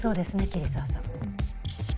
桐沢さん！